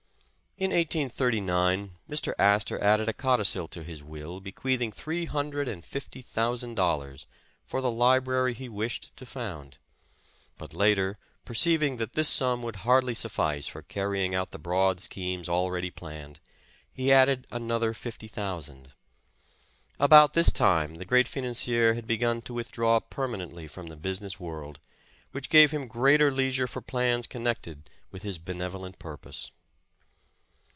In 1839, Mr. Astor added a codicil to his will be queathing three hundred and fifty thousand dollars for the library he wished to found, but later, perceiving that this sum would hardly suffice for carrying out the broad schemes already planned, he added another fifty tlioiisand. About this time the great financier had be gun to withdraw permanently from the business world, which gave him greater leisure for plans connected with his benevolent purpose.